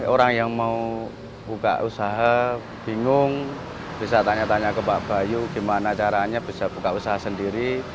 orang yang mau buka usaha bingung bisa tanya tanya ke pak bayu gimana caranya bisa buka usaha sendiri